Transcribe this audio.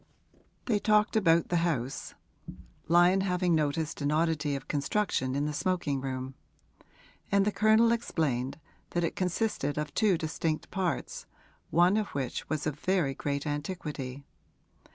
They talked about the house, Lyon having noticed an oddity of construction in the smoking room; and the Colonel explained that it consisted of two distinct parts, one of which was of very great antiquity.